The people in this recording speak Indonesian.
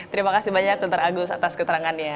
terima kasih banyak dokter agus atas keterangannya